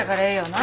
な